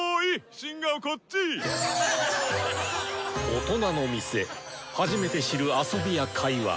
大人の店初めて知る遊びや会話。